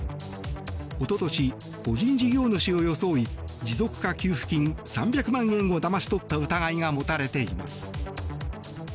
おととし、個人事業主を装い持続化給付金３００万円をだまし取った疑いが持たれています。